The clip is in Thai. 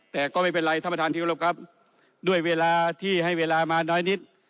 แต่ก็ไม่เป็นไรท่านประธานที่กรบครับด้วยเวลาที่ให้เวลามาน้อยนิด